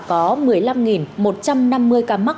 có một mươi năm một trăm năm mươi ca mắc